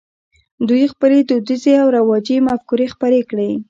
دوی خپلې دودیزې او رواجي مفکورې خپرې کړې.